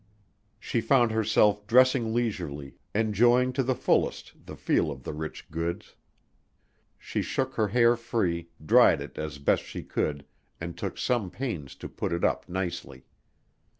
She found herself dressing leisurely, enjoying to the fullest the feel of the rich goods. She shook her hair free, dried it as best she could, and took some pains to put it up nicely.